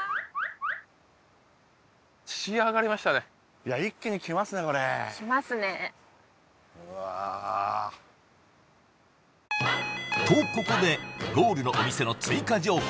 いいなあ頑張りますきますねうわとここでゴールのお店の追加情報